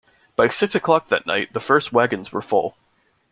By six o'clock that night, the first wagons were full.